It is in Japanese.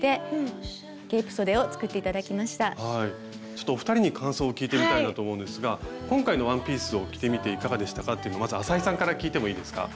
ちょっとお二人に感想を聞いてみたいなと思うんですが今回のワンピースを着てみていかがでしたかっていうのまず浅井さんから聞いてもいいですか？